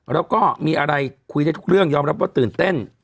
แล้วก็มีอะไรคุยได้ทุกเรื่องยอมรับว่าตื่นเต้น